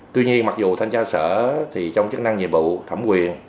tuy nhiên mặc dù thanh tra sở thì trong chức năng nhiệm vụ thẩm quyền